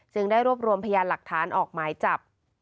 ได้รวบรวมพยานหลักฐานออกหมายจับ